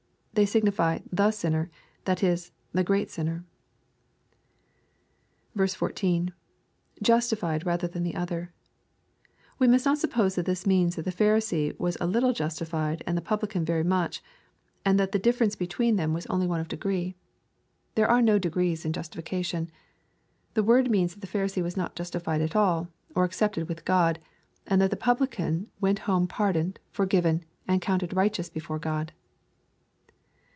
They signify " tfie sinner," that is, " the great siuner." 14. — [Justifi.^ rather than the othei',] We must not suppose that this means that the Pharisee was a little justified, and the publican very much, and that the difierence between them was LUKE, CHAP. XVIIL 265 only one of degree. There are no deg ees in justification. The words mean that the Pharisee was notjnstified at all, or accepted with God, and that the puttwan wer.t home pardoned, forgiven, and counted righteous beforo Qod.